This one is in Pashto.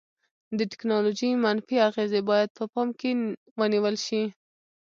د ټیکنالوژي منفي اغیزې باید په پام کې ونیول شي.